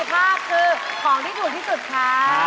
ตาก้าคอมกิฟต์๑๕คือของที่ดูดที่สุดค่ะ